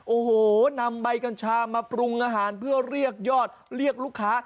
โอ้โหนำใบกัญชามาปรุงอาหารเพื่อเรียกยอดเรียกลูกค้า